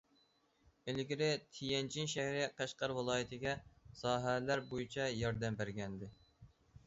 ئىلگىرى تيەنجىن شەھىرى قەشقەر ۋىلايىتىگە ساھەلەر بويىچە ياردەم بەرگەنىدى.